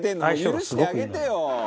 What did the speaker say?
許してあげてよ」